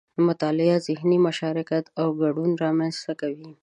مطالعه ذهني مشارکت او ګډون رامنځته کوي